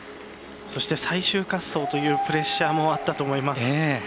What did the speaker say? そして、最終滑走というプレッシャーもあったと思います。